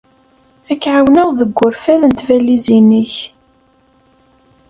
Ad k-ɛawneɣ deg urfad n tbalizin-ik.